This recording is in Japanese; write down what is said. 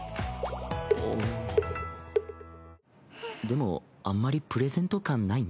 でもあんまりプレゼント感ないね。